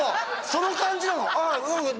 その感じなのああ